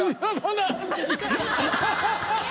アハハハ！